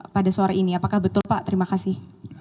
pada sore ini apakah betul pak terima kasih